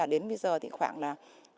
đến bây giờ khoảng là